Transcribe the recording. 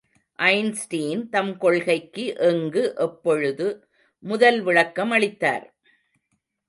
Einstein தம் கொள்கைக்கு எங்கு, எப்பொழுது முதல் விளக்கமளித்தார்?